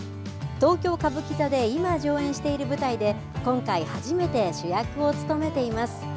東京、歌舞伎座で今、上映している舞台で今回初めて主役を務めています。